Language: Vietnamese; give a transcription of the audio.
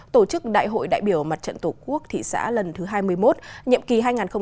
tổ chức đại hội đại biểu mặt trận tổ quốc thị xã lần thứ hai mươi một nhiệm kỳ hai nghìn hai mươi bốn hai nghìn hai mươi chín